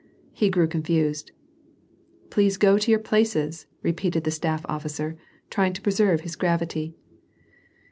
He grew confused. "Please go to your places," repeated the staff officer, trying to preserve his gi'avity.